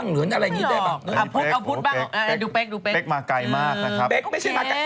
เป๊กไม่ใช่มาไกล